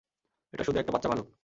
এটা শুধু একটা বাচ্চা ভালুক।